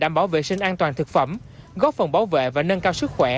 đảm bảo vệ sinh an toàn thực phẩm góp phần bảo vệ và nâng cao sức khỏe